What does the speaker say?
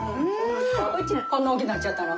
こんな大きゅうなっちゃったの。